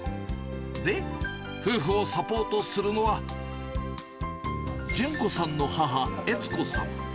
で、夫婦をサポートするのは、純子さんの母、悦子さん。